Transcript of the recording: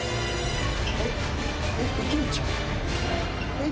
えっ？